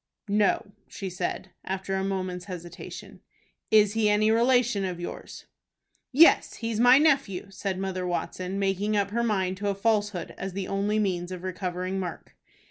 "No," she said, after a moment's hesitation. "Is he any relation of yours?" "Yes, he's my nephew," said Mother Watson, making up her mind to a falsehood as the only means of recovering Mark.